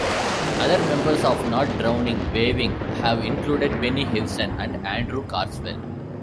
Other members of Not Drowning, Waving have included Penny Hewson and Andrew Carswell.